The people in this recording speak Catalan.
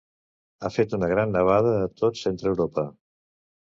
Ha fet una gran nevada a tot Centreeuropa.